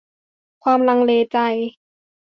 ความลังเลใจ